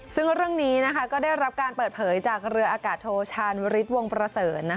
ซึ่งเรื่องนี้ก็ได้รับการเปิดเผยจากเรืออากาศโทชานวริสวงประเสริญ